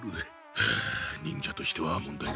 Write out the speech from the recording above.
はあ忍者としては問題だな。